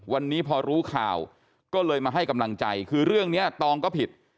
วันนี้พอรู้ข่าวก็เลยมาให้กำลังใจคือเรื่องนี้ตองก็ผิด